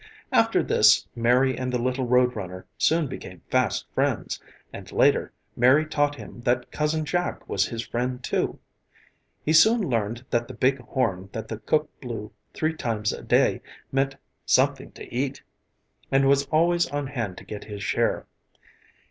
After this Mary and the little road runner soon became fast friends, and later Mary taught him that Cousin Jack was his friend, too. He soon learned that the big horn that the cook blew three times a day meant something to eat; and was always on hand to get his share.